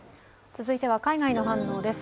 続いては海外の反応です。